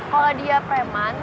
kalau dia preman